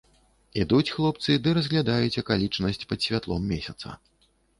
Ідуць хлопцы ды разглядаюць акалічнасць пад святлом месяца.